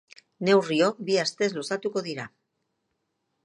Neurriok bi astez luzatuko dira.